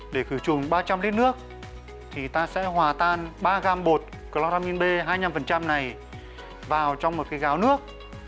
để khử trùng ba trăm linh lít nước ta sẽ hòa tan ba gram bột cloramine b hai mươi năm này vào trong một cái gáo nước